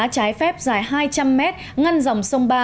trái phép dài hai trăm linh mét ngăn dòng sông ba